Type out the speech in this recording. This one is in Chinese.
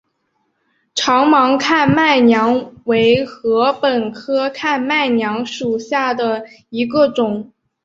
长芒看麦娘为禾本科看麦娘属下的一个种。